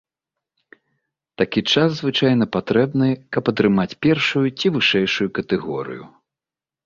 Такі час звычайна патрэбны, каб атрымаць першую ці вышэйшую катэгорыю.